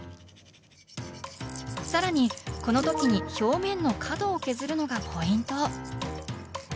更にこの時に表面の角を削るのがポイント。